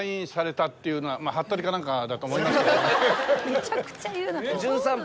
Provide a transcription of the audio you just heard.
めちゃくちゃ言うなあ。